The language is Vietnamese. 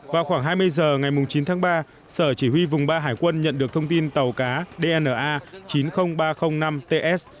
vào khoảng hai mươi h ngày chín tháng ba sở chỉ huy vùng ba hải quân nhận được thông tin tàu cá dna chín mươi nghìn ba trăm linh năm ts